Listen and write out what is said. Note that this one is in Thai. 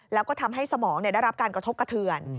แล้วก็ทำให้สมองได้รับการกระทบกระเทือน